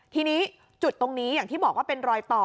ทีนี้จุดตรงนี้อย่างที่บอกว่าเป็นรอยต่อ